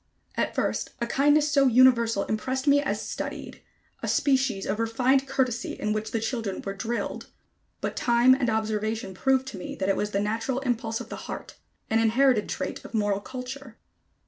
At first, a kindness so universal impressed me as studied; a species of refined courtesy in which the children were drilled. But time and observation proved to me that it was the natural impulse of the heart, an inherited trait of moral culture.